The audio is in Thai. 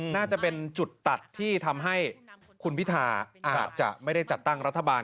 น่าจะเป็นจุดตัดที่ทำให้คุณพิธาอาจจะไม่ได้จัดตั้งรัฐบาล